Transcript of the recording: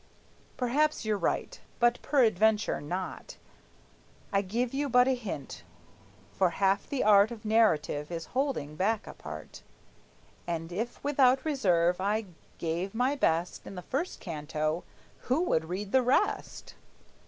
Perhaps you're right; but peradventure not. I give you but a hint, for half the art Of narrative is holding back a part, And if without reserve I gave my best In the first canto, who would read the rest?